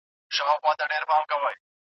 د هغه رسمي زده کړې ډېرې محدودې وې.